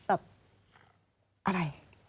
อะไร